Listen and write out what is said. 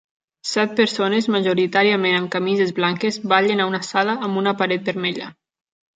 Set persones, majoritàriament amb camises blanques, ballen a una sala amb una paret vermella.